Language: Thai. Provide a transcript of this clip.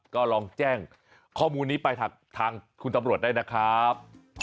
ก็ลองแจ้งข้อมูลนี้ไปทางคุณตำรวจได้นะครับ